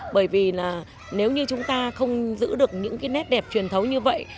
bởi vì là nếu như chúng ta không giữ được những nét để truyền thấu như vậy